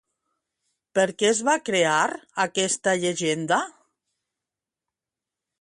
Per què es va crear aquesta llegenda?